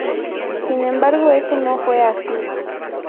Sin embargo esto no fue así.